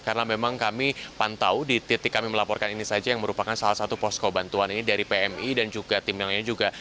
karena memang kami pantau di titik kami melaporkan ini saja yang merupakan salah satu posko bantuan ini dari pmi dan juga tim yang lainnya juga